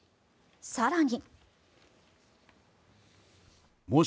更に。